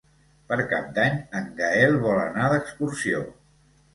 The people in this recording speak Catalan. Per Cap d'Any en Gaël vol anar d'excursió.